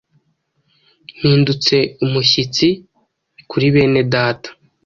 Mpindutse umushyitsi kuri bene Data,